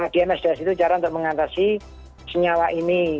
di msds itu cara untuk mengatasi senyawa ini